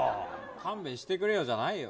勘弁してくれよじゃないよ。